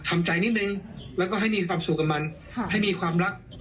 ทำใจนิดนึงแล้วก็ให้มีความสุขกับมันให้มีความรัก